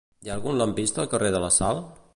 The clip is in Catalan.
Hi ha algun lampista al carrer de la Sal?